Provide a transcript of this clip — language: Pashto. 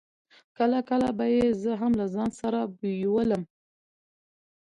کله کله به يې زه هم له ځان سره بېولم.